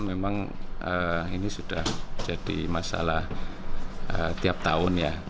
memang ini sudah jadi masalah tiap tahun ya